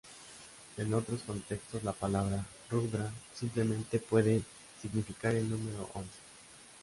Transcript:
En otros contextos la palabra "rudra" simplemente puede significar el número ‘once’.